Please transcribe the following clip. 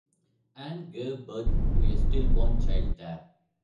Anne gave birth to a stillborn child there.